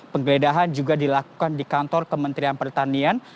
penggeledahan juga dilakukan di kantor kementerian pertanian